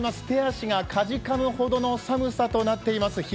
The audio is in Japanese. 手足がかじかむほどの寒さとなっています。